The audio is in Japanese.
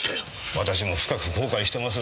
私も深く後悔してます。